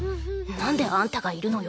なんであんたがいるのよ？